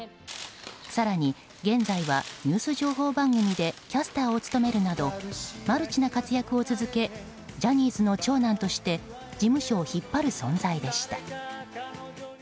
更に、現在はニュース情報番組でキャスターを務めるなどマルチな活躍を続けジャニーズの長男として事務所を引っ張る存在でした。